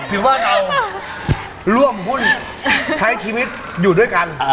ถือว่าเราร่วมหุ้นใช้ชีวิตอยู่ด้วยกัน